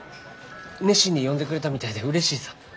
熱心に読んでくれたみたいでうれしいさ。